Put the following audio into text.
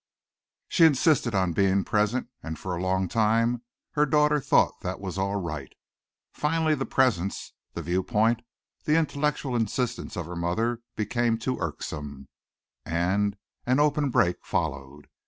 She insisted on being present and for a long time her daughter thought that was all right. Finally the presence, the viewpoint, the intellectual insistence of her mother, became too irksome, and an open break followed.